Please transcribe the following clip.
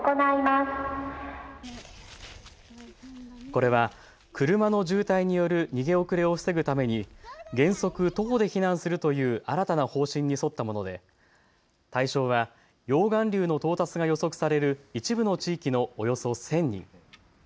これは車の渋滞による逃げ遅れを防ぐために原則、徒歩で避難するという新たな方針に沿ったもので対象は溶岩流の到達が予測される一部の地域のおよそ１０００人。